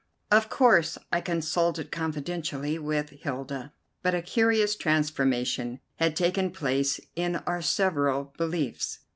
Of course I consulted confidentially with Hilda, but a curious transformation had taken place in our several beliefs.